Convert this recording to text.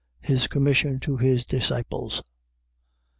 His commission to his disciples.